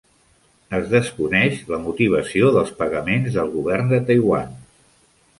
Es desconeix la motivació dels pagaments del govern de Taiwan.